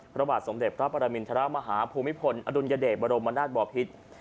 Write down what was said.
พระบาทสมเด็จพระปรมินทรมาฮาภูมิพลอดุลยเดชบรมนาศบอพิษ